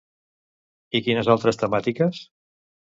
I quines altres temàtiques?